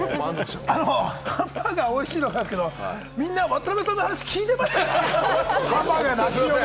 ハンバーガーがおいしいの分かるんですけれども、みんな渡邊さんの話、聞いてましたか？